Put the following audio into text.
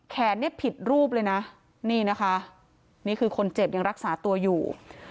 เนี่ยผิดรูปเลยนะนี่นะคะนี่คือคนเจ็บยังรักษาตัวอยู่